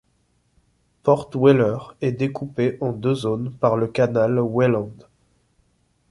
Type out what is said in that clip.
Port Weller est découpée en deux zones par le canal Welland.